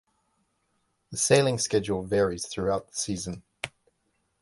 The sailing schedule varies throughout the season.